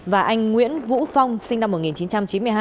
và anh nguyễn vũ phong sinh năm một nghìn chín trăm chín mươi hai